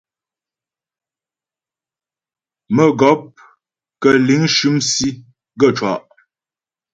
Mə́gɔp kə̂ liŋ shʉm sì gaə́ cwâ'a.